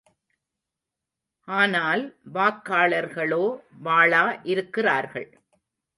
ஆனால் வாக்காளர்களோ வாளா இருக்கிறார்கள்!